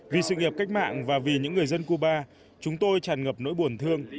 vì sự nghiệp cách mạng và vì những người dân cuba chúng tôi tràn ngập nỗi buồn thương